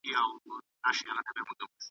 د پسرلي په شنه بګړۍ کي انارګل نه یمه .